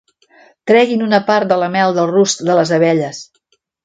Treguin una part de la mel del rusc de les abelles.